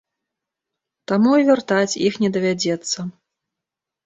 Таму і вяртаць іх не давядзецца.